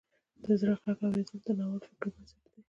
د زړه غږ اوریدل د ناول فکري بنسټ دی.